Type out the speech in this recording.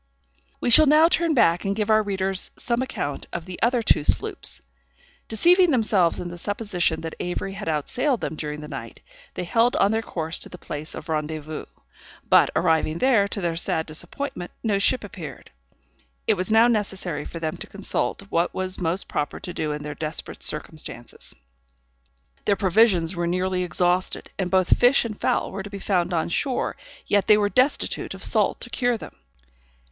We shall now turn back and give our readers some account of the other two sloops. Deceiving themselves in the supposition that Avery had outsailed them during the night, they held on their course to the place of rendezvouse; but, arriving there, to their sad disappointment no ship appeared. It was now necessary for them to consult what was most proper to do in their desperate circumstances. Their provisions were nearly exhausted, and both fish and fowl were to be found on shore, yet they were destitute of salt to cure them.